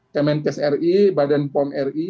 kementerian kesehatan negeri badan pom ri